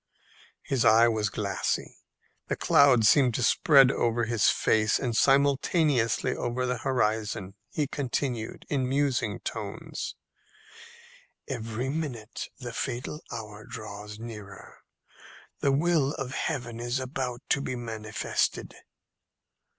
His eye was glassy. The cloud seemed to spread over his face and simultaneously over the horizon. He continued, in musing tones, "Every minute the fatal hour draws nearer. The will of Heaven is about to be manifested."